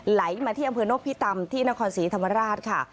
ไหลมาที่อำเภอโนะภิตทรรรมที่อินคอนสีธรรมราชค่ะ